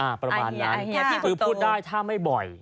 ไอเฮียไอเฮียพี่ฝุตตูคือพูดได้ถ้าไม่บ่อย